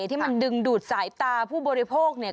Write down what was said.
ที่มันดึงดูดสายตาผู้บริโภคเนี่ย